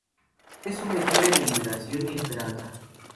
Es una historia de liberación y de esperanza.